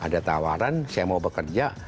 ada tawaran saya mau bekerja